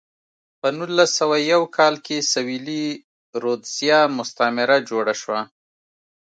په نولس سوه یو کال کې سویلي رودزیا مستعمره جوړه شوه.